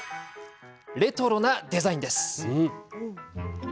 レトロなデザインです。